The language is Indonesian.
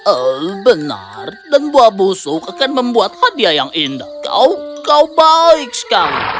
oh benar dan buah busuk akan membuat hadiah yang indah kau kau baik sekali